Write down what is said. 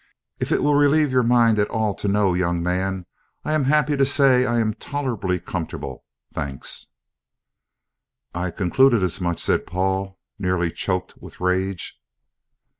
If it will relieve your mind at all to know, young man, I'm happy to say I am tolerably comfortable, thanks." "I I concluded as much," said Paul, nearly choked with rage.